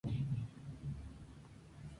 Inició sus estudios musicales en su juventud.